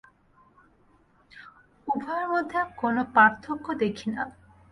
উভয়ের মধ্যে কোন পার্থক্য দেখি না।